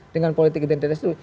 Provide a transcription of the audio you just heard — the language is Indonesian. dengan politik identitas itu